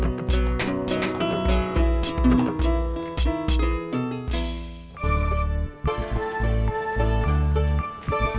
lagi lagi kita mau ke rumah